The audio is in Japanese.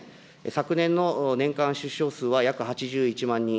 昨年の年間出生数は約８１万人。